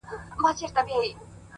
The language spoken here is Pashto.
• دا د یزید او کربلا لښکري,